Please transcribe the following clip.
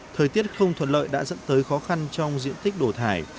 thời tiết không thuận lợi đã dẫn tới khó khăn trong diện tích đổ thải